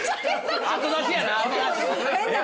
後出しやな。